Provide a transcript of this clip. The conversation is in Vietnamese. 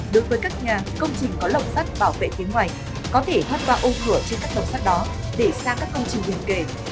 đối với các nhà công trình có lồng sắt bảo vệ phía ngoài có thể thoát qua ô ngựa trên các lồng sắt đó để sang các công trình hiển kề